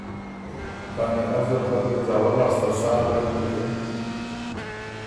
کانی از دل خه ریوز اول لاسته غوېک بُکِن